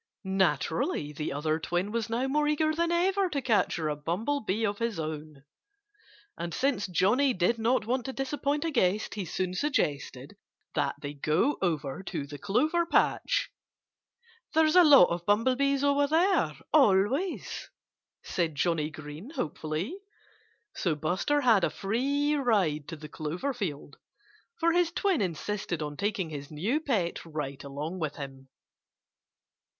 Naturally, the other twin was now more eager than ever to capture a bumblebee of his own. And since Johnnie did not want to disappoint a guest he soon suggested that they go over to the clover patch. "There's a lot of bumblebees over there, always," said Johnnie Green hopefully. So Buster had a free ride to the clover field; for his twin insisted on taking his new pet right along with him.